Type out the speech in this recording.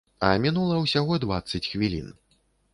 А мінула ўсяго дваццаць хвілін.